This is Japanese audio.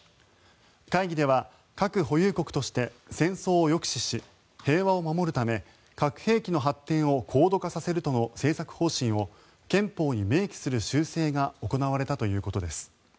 会議では核保有国として戦争を抑止し、平和を守るため核兵器の発展を高度化させるとの政策方針を憲法に明記する修正が行われたということです。